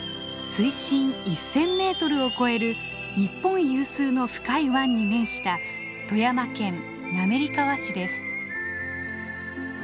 水深１，０００メートルを超える日本有数の深い湾に面した富山県滑川市です。